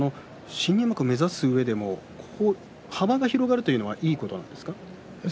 新入幕を目指すうえで幅が広がるのはいいことですか。